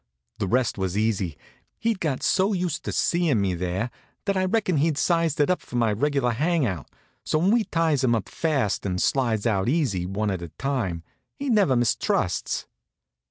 The rest was easy. He'd got so used to seein' me there that I reckon he'd sized it up for my regular hang out, so when we ties him up fast and slides out easy, one at a time, he never mistrusts.